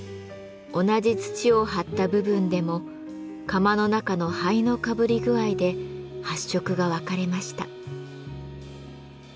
同じ土を貼った部分でも窯の中の灰のかぶり具合で発色が分かれました。